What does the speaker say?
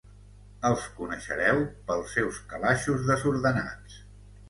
Els coneixereu pels seus calaixos desordenats.